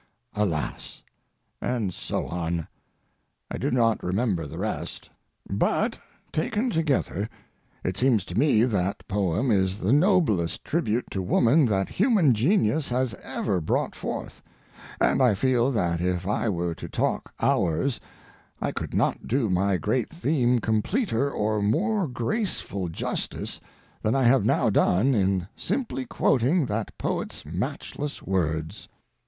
alas!" —and so on. I do not remember the rest; but, taken together, it seems to me that poem is the noblest tribute to woman that human genius has ever brought forth—and I feel that if I were to talk hours I could not do my great theme completer or more graceful justice than I have now done in simply quoting that poet's matchless words.